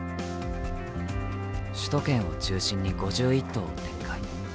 首都圏を中心に５１棟を展開。